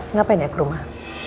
ngapain ya ke rumah